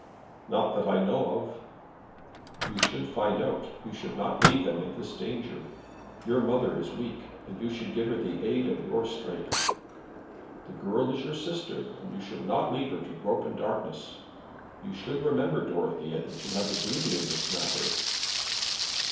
"Not that I know of." "You should find out. You should not leave them in this danger. Your mother is weak, and you should give her the aid of your strength. The girl is your sister, and you should not leave her to grope in darkness. You should remember, Dorothea, that you have a duty in this matter."